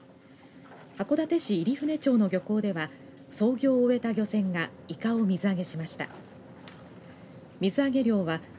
函館市入舟町の漁港では操業を終えた漁船がイカを水揚げしました。